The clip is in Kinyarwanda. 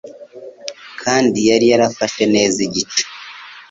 kandi yari yarafashe neza igice